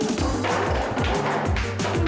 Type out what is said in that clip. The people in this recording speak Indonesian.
eh aduh aduh